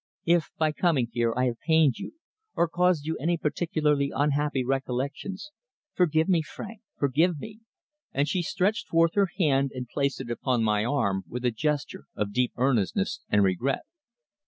If, by coming here, I have pained you, or caused you any particularly unhappy recollections, forgive me, Frank forgive me," and she stretched forth her hand and placed it upon my arm with a gesture of deep earnestness and regret.